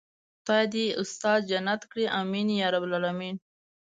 خدای دې استاد جنت کړي آمين يارب العالمين.